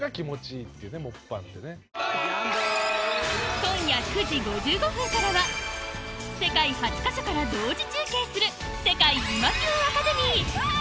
今夜９時５５分からは世界８カ所から同時中継する『世界イマキュン☆アカデミー』